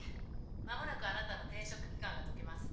間もなくあなたの停職期間が解けます。